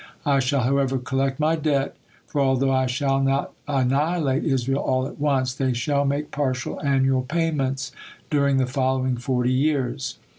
I shall, however, collect My debt, for although I shall not annihilate Israel all at once, they shall make partial annual payments during the following forty years.